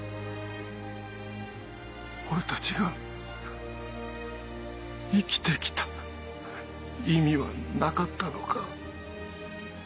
俺たちが生きて来た意味はなかったのか。